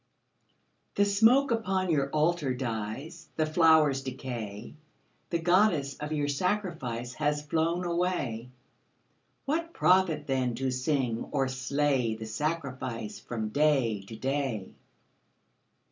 _) The smoke upon your Altar dies, The flowers decay, The Goddess of your sacrifice Has flown away. What profit, then, to sing or slay The sacrifice from day to day?